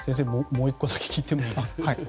もう１個聞いていいですか。